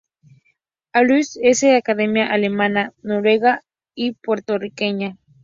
Alexis es de ascendencia alemana, noruega y puertorriqueña.